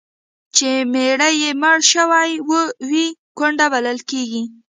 چي میړه یې مړ سوی وي، کونډه بلل کیږي.